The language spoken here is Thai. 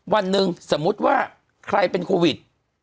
วันหนึ่งสมมุติว่าใครเป็นโควิด